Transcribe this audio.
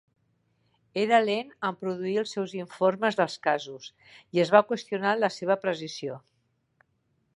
Era lent en produir els seus informes dels casos, i es va qüestionar la seva precisió.